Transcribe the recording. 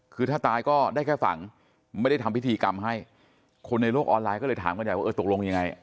คือถ้าตายก็ได้แค่ฝังไม่ได้ทำพิธีกรรมให้คนในโลกออนไลน์ก็เลยถามกันใหญ่ว่าเออตกลงยังไง